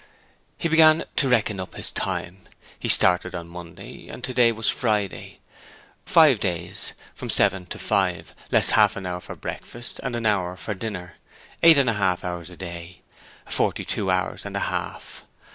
He began to reckon up his time: he started on Monday and today was Friday: five days, from seven to five, less half an hour for breakfast and an hour for dinner, eight and a half hours a day forty two hours and a half.